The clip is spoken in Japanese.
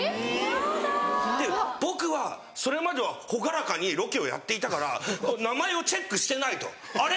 ・ヤダ・で僕はそれまでは朗らかにロケをやっていたからあっ名前をチェックしてない！とあれ？